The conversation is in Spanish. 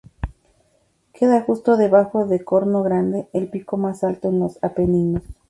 Queda justo debajo de Corno Grande, el pico más alto en los Apeninos.